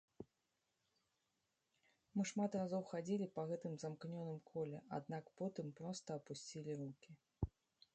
Мы шмат разоў хадзілі па гэтым замкнёным коле, аднак потым проста апусцілі рукі.